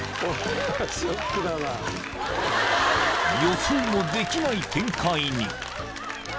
［予想もできない展開に］